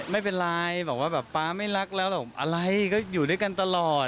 ไม่เป็นไรบอกว่าแบบป๊าไม่รักแล้วหรอกอะไรก็อยู่ด้วยกันตลอด